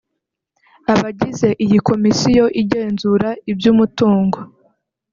Abagize iyi Komisiyo igenzura iby’umutungo